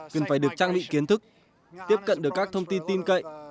cần phải được trang bị kiến thức tiếp cận được các thông tin tin cậy